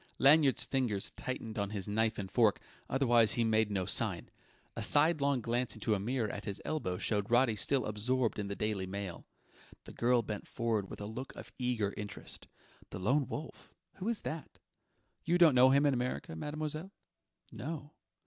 Lanyard's fingers tightened on his knife and fork; otherwise he made no sign. A sidelong glance into a mirror at his elbow showed Roddy still absorbed in the Daily Mail. The girl bent forward with a look of eager interest. "The Lone Wolf? Who is that?" "You don't know him in America, mademoiselle?" "No...."